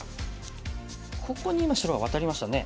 ここに今白がワタりましたね。